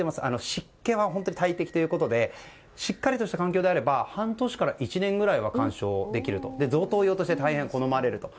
湿気は本当に大敵ということでしっかりした環境なら半年から１年ぐらいは観賞できると贈答用として好まれると。